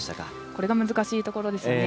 これが難しいところですよね。